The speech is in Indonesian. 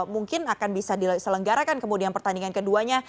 mungkin akan bisa diselenggarakan kemudian pertandingan keduanya